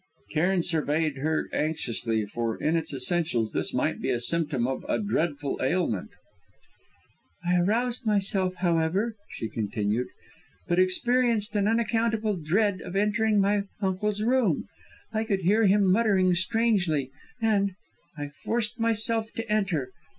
Cairn surveyed her anxiously, for in its essentials this might be a symptom of a dreadful ailment. "I aroused myself, however," she continued, "but experienced an unaccountable dread of entering my uncle's room. I could hear him muttering strangely, and I forced myself to enter!